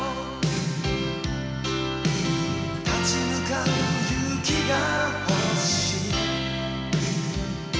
「立ち向かう勇気が欲しい」